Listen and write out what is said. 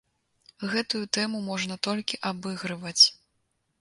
Гэтую тэму можна толькі абыгрываць.